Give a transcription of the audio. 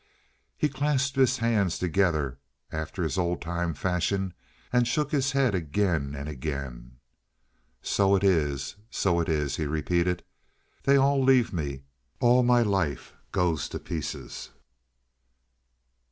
He clasped his hands together, after his old time fashion, and shook his head again and again. "So it is! So it is!" he repeated. "They all leave me. All my life goes to pieces."